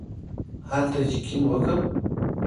هلته چېک اېن وکړم.